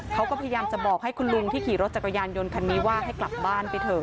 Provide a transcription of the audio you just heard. เขาก็พยายามจะบอกให้คุณลุงที่ขี่รถจักรยานยนต์คันนี้ว่าให้กลับบ้านไปเถอะ